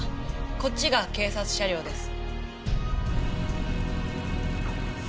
こっちが警察車両です。